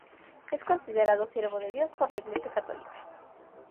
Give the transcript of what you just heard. Es considerado Siervo de Dios por la Iglesia católica.